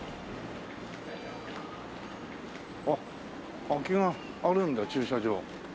あっ空きがあるんだ駐車場。